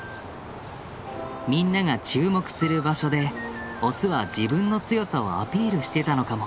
みんなが注目する場所でオスは自分の強さをアピールしてたのかも。